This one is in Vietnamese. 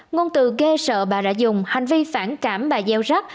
ngôn từ ghe sợ bà đã dùng hành vi phản cảm bà gieo rắc